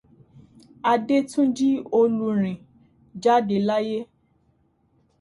Adétúnjí Olúrìn jáde láyé.